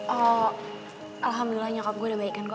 oh alhamdulillah nyokap gue udah baik kan kok